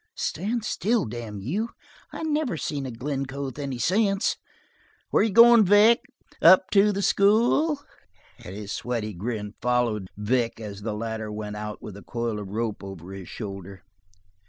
Stand still, damn you. I never seen a Glencoe with any sense! Where you goin', Vic? Up to the school?" And his sweaty grin followed Vic as the latter went out with the coil of rope over his shoulder.